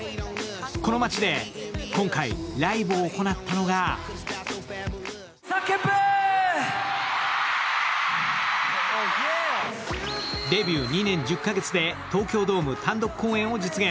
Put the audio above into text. この街で、今回ライブを行ったのがデビュー２年１０か月で東京ドーム単独公演を実現。